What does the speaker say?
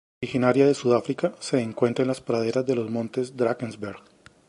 Originaria de Sudáfrica, se encuentra en las praderas de los Montes Drakensberg.